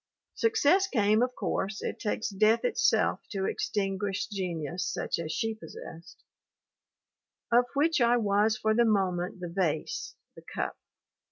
Success came, of course ; it takes death itself to extinguish genius such as she possessed, "of which I was for the moment the vase, the cup."